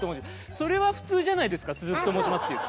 それは普通じゃないですか「鈴木と申します」っていう。